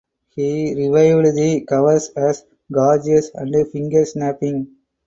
He reviewed the covers as "gorgeous" and "finger snapping".